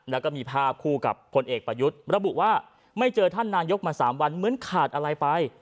แล้วก็มีภาพคู่กับผลเอกประยุทธ์ระบุว่าไม่เจอท่านนายกมา๓วันเหมือนขาดอะไรไป